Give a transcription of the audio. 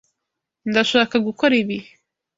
Ndashaka gukora ibi.